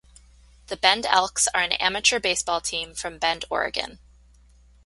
The Bend Elks are an amateur baseball team from Bend, Oregon.